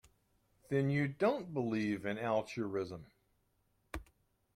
Then you don't believe in altruism.